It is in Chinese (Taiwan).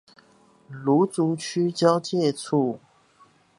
蘆竹區交界處